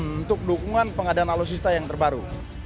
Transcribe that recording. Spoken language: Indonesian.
untuk dukungan pengadaan alutsista yang terbaru